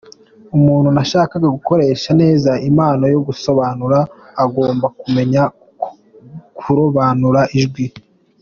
Umuntu nashaka gukoresha neza impano yo gusobanura, agomba kumenya kurobanura ijwi.